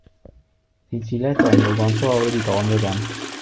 你至叻就系冇講粗口好似講咗噉